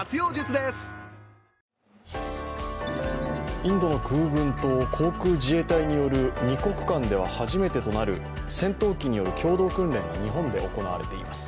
インドの空軍と航空自衛隊による２国間では初めてとなる戦闘機による共同訓練が日本で行われています。